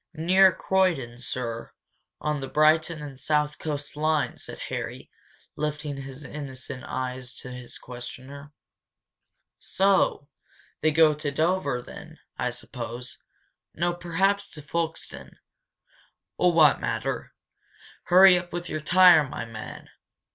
"Near Croydon, sir, on the Brighton and South Coast Line," said Harry, lifting his innocent eyes to his questioner. "So! They go to Dover, then, I suppose no, perhaps to Folkestone oh, what matter? Hurry up with your tire, my man!"